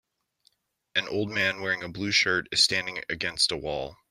An old man wearing a blue shirt is standing against a wall.